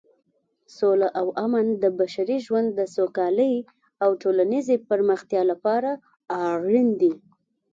سوله او امن د بشري ژوند د سوکالۍ او ټولنیزې پرمختیا لپاره اړین دي.